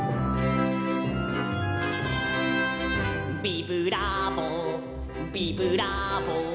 「ビブラーボビブラーボ」